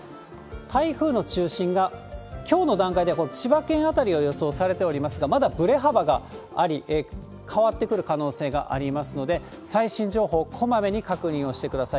台風の中心が、きょうの段階では、この千葉県辺りを予想されておりますが、まだぶれ幅があり、変わってくる可能性がありますので、最新情報をこまめに確認をしてください。